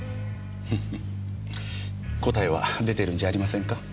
ふふっ答えは出てるんじゃありませんか？